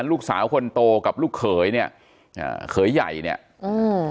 ลูกสาวคนโตกับลูกเขยเนี้ยอ่าเขยใหญ่เนี้ยอืม